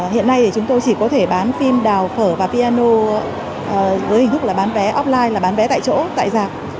hiện nay chúng tôi chỉ có thể bán phim đào phở và piano với hình thức bán vé offline bán vé tại chỗ tại giạc